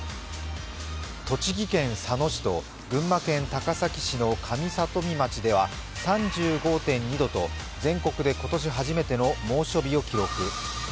栃木県佐野市と群馬県高崎市の上里見町では３５．２度と全国で今年初めての猛暑日を記録。